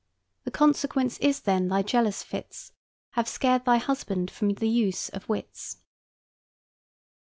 The consequence is, then, thy jealous fits Have scared thy husband from the use of wits."